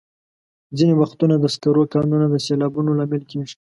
ځینې وختونه د سکرو کانونه د سیلابونو لامل کېږي.